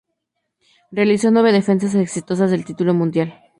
Realizó nueve defensas exitosas del título mundial.